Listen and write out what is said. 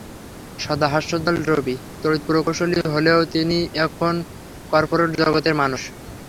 সদা হাস্যোজ্জ্বল রবি তড়িৎ প্রকৌশলী হলেও তিনি এখন করপোরেট জগতের মানুষ।